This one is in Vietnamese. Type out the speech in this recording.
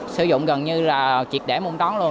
sử dụng gần như là triệt để môn tón luôn